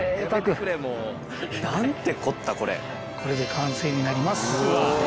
これで完成になります。